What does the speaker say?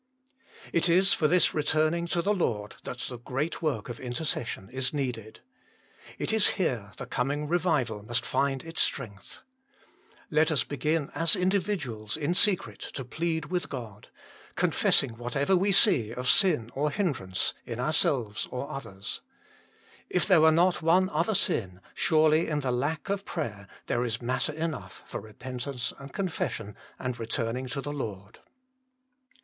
It IB for this returning to the Lord that the great work of intercession is needed. It is here the coming revival must find its strength. Let us begin as individuals in secret to plead with God, confessing whatever we see of sin or hindrance, in ourselves or others. If there were not one other sin, surely in the lack of prayer there is matter enough for repentance and confession and return ing to the Lord.